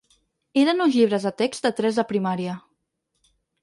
Eren uns llibres de text de tres de primaria.